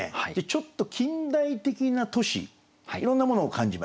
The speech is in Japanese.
ちょっと近代的な都市いろんなものを感じました。